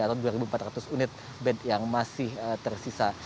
atau dua empat ratus unit bed yang masih tersisa